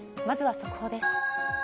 まずは速報です。